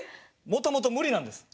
もともと無理なんです。